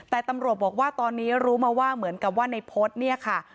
แต่ตำรวจบอกว่าตอนนี้รู้มาว่าเหมือนกับว่าในพจน์เนี่ยค่ะ